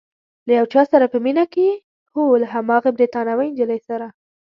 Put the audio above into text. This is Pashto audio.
له یو چا سره په مینه کې یې؟ هو، له هماغې بریتانوۍ نجلۍ سره؟